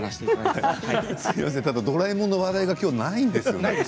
今日はドラえもんの話題がないんですよね。